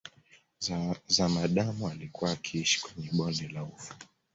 Zamadamu alikuwa akiishi kwenye bonde la Ufa